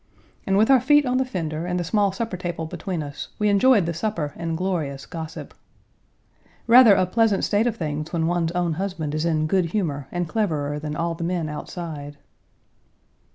And with our feet on the fender and the small supper table between us, we enjoyed the supper and glorious gossip. Rather a pleasant state of things when one's own husband is in good humor and cleverer than all the men outside.